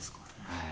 はい。